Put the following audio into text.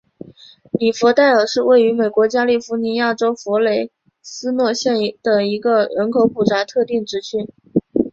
里弗代尔是位于美国加利福尼亚州弗雷斯诺县的一个人口普查指定地区。